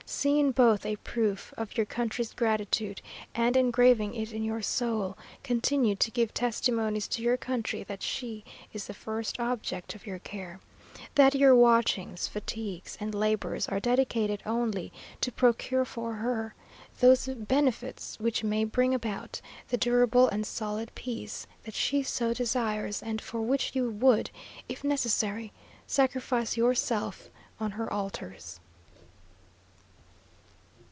See in both a proof of your country's gratitude, and engraving it in your soul, continue to give testimonies to your country that she is the first object of your care; that your watchings, fatigues, and labours are dedicated only to procure for her those benefits which may bring about the durable and solid peace that she so much desires, and for which you would, if necessary, sacrifice yourself on her altars.